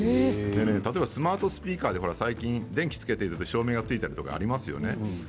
例えばスマートスピーカーで最近、電気をつけたり照明をつけたりするのがありますよね。